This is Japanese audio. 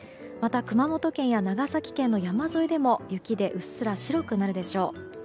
また熊本県や長崎県の山沿いでも雪でうっすら白くなるでしょう。